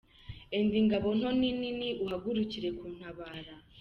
Enda ingabo nto n’inini, Uhagurukire kuntabara.